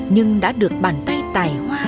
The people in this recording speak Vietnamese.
nhưng đã được bàn tay tài hoa